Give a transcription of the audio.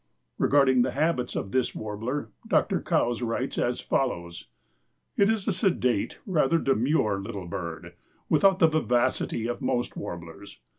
Regarding the habits of this warbler Dr. Coues writes as follows: "It is a sedate, rather a demure, little bird, without the vivacity of most warblers.